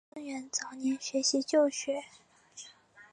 李根源早年学习旧学。